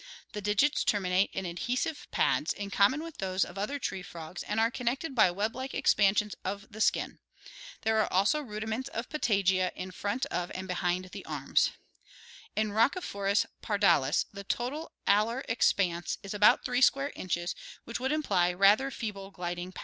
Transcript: The digits terminate in adhesive pads, in common with those of other tree frogs, and are connected by web like expansions of the skin. There are also rudiments of patagia in front of and behind the arms. In Rhacopkorus par tialis the total alar expanse is ' about 3 square inches, which would imply rather feeble glid ing powers.